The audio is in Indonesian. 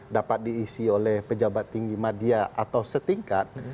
dapat diisi oleh pejabat tinggi media atau setingkat